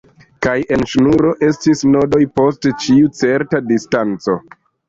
Kaj en ŝnuro estis nodoj post ĉiu certa distanco.